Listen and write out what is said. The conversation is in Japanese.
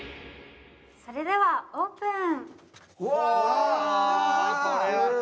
それでは、オープン。